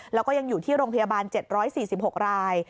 แล้วก็ยังอยู่ที่โรงพยาบาล๗๔๖ราย